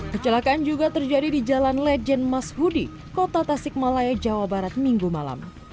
kecelakaan juga terjadi di jalan legend mas hudi kota tasik malaya jawa barat minggu malam